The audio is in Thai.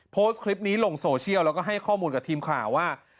โพสต์คลิปนี้ลงโซเชียลแล้วก็ให้ข้อมูลกับทีมข่าวว่า